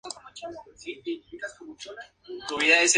La fauna de la región no está bien documentada.